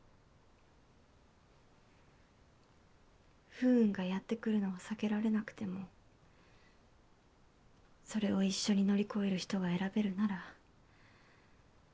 不運がやってくるのは避けられなくてもそれを一緒に乗り越える人が選べるなら。